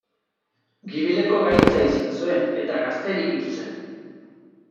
Gibeleko gaitza izan zuen, eta gazterik hil zen.